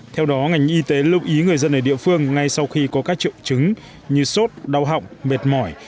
theo đó ngành y tế lưu ý người dân ở địa phương ngay sau khi có các triệu chứng như sốt đau họng mệt mỏi